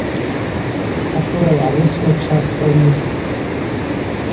Хӏахъвыла йгӏауысуа часла уйысх.